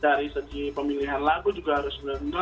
dari segi pemilihan lagu juga harus bener bener gak seburung